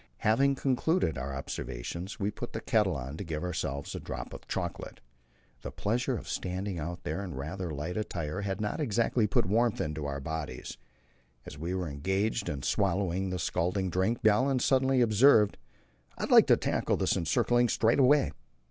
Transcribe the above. Having concluded our observations, we put the kettle on to give ourselves a drop of chocolate; the pleasure of standing out there in rather light attire had not exactly put warmth into our bodies. As we were engaged in swallowing the scalding drink, Bjaaland suddenly observed: "I'd like to tackle this encircling straight away.